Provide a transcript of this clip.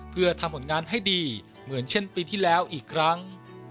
เพื่อทำผลงานให้ดีเหมือนเช่นปีที่แล้วอีกครั้ง